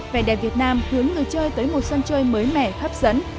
vẻ đẹp việt nam hướng người chơi tới một sân chơi mới mẻ hấp dẫn